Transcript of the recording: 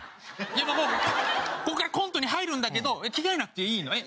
まあもうここからコントに入るんだけど着替えなくていいの。